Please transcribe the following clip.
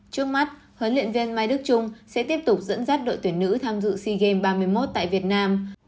trước mắt huấn luyện viên mai đức trung sẽ tiếp tục dẫn dắt đội tuyển nữ tham dự sea games ba mươi một tại việt nam